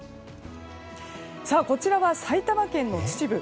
こちらは埼玉県の秩父。